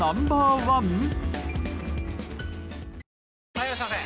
・はいいらっしゃいませ！